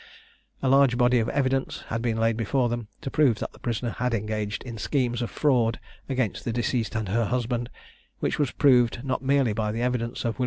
A large body of evidence had been laid before them, to prove that the prisoner had engaged in schemes of fraud against the deceased and her husband, which was proved not merely by the evidence of Wm.